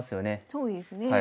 そうですね。